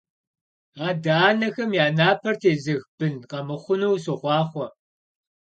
Адэ-анэхэм я напэр тезых бын къэмыхъуну сохъуахъуэ!